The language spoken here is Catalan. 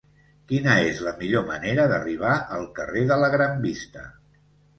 Quina és la millor manera d'arribar al carrer de la Gran Vista?